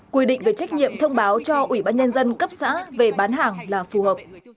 quy định về trách nhiệm thông báo cho ủy ban nhân dân cấp xã về bán hàng là phù hợp